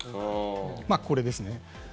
まぁ、これですね。